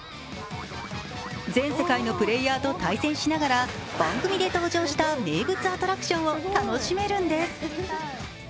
全世界のプレーヤーと対戦しながら番組で登場した名物アトラクションを楽しめるんです。